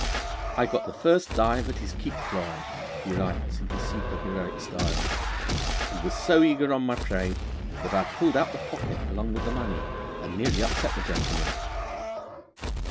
'I got the first dive at his keek cloy,' he writes in his simple, heroic style, 'and was so eager on my prey, that I pulled out the pocket along with the money, and nearly upset the gentleman.'